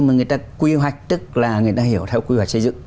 mà người ta quy hoạch tức là người ta hiểu theo quy hoạch xây dựng